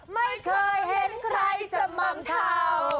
ไม่เคยเห็นใครจะมองเขา